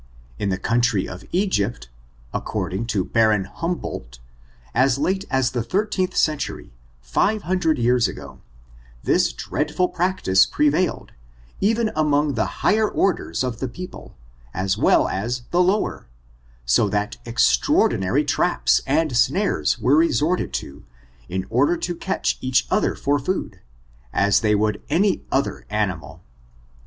In the country of Egypt, according to Baron Humboldt^ as late as the thir teenth century, five hundred years ago, this dread ful practice prevailed, even among the higher orders of the people, as well as the lower, so that extraordi nary traps and snares were resorted to, in order to catch each other for food, as they would any other animal.